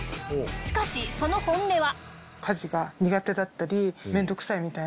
しかしその本音は。